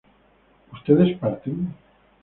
¿ustedes parten?